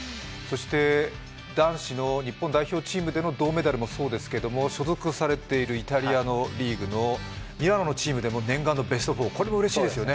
男子の日本代表チームでの銅メダルもそうですけど、所属されているイタリアのリーグのミラノのチームでも念願のベスト４それもうれしいですよね。